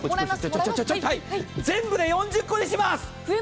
全部で４０個にします！